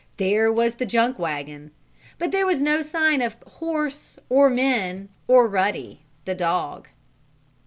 There was the junk wagon, but there was no sign of horse, or men or Ruddy, the dog.